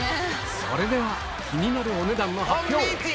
それでは気になるお値段の発表！